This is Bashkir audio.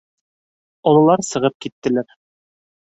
Ололар сығып киттеләр.